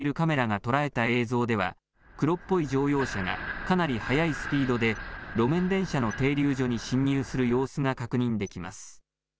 ＮＨＫ長崎放送局の屋上に設置しているカメラが捉えた映像では、黒っぽい乗用車がかなり速いスピードで路面電車の停留所に進入する様子が確認できます。